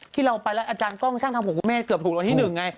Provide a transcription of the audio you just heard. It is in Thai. ที่เราไปแล้วอาจารย์กองชั่งทางองค์กูแม่เกือบถูกรางวัลที่๑ไง